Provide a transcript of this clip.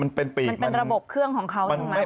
มันเป็นระบบเครื่องของเขาถูกไหม